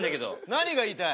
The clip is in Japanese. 何が言いたい？